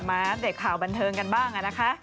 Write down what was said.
อัปเดตข่าวบันเทิงกันบ้างนะคะ